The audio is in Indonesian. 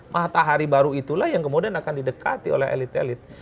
matahari baru itulah yang kemudian akan didekati oleh elit elit